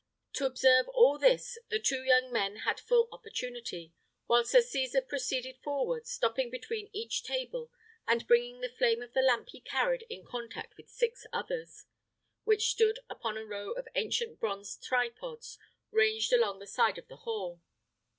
To observe all this the two young men had full opportunity, while Sir Cesar proceeded forward, stopping between each table, and bringing the flame of the lamp he carried in contact with six others, which stood upon a row of ancient bronze tripods ranged along the side of the hall.